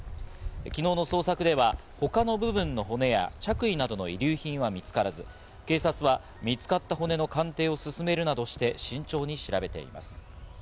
昨日の捜索では他の部分の骨や、着衣などの遺留品は見つからず、警察は見つかった骨の鑑定を進めるなどして慎重に調べています。